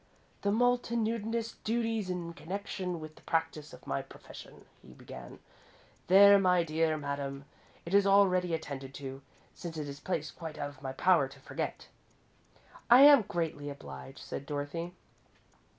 "The multitudinous duties in connection with the practice of my profession," he began "there, my dear madam, it is already attended to, since it is placed quite out of my power to forget." "I am greatly obliged," said Dorothy.